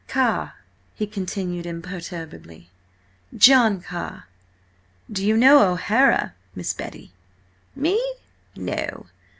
"Carr," he continued imperturbably, "John Carr. Do you know O'Hara, Miss Betty?" "Me? No!